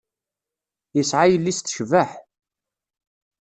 Yesεa yelli-s tecbeḥ.